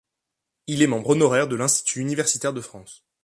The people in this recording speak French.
Il est membre honoraire de l’Institut universitaire de France.